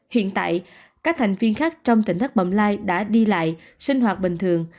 hiện tại các thành viên khác trong tỉnh thác bậm lai đã đi lại sinh hoạt bình thường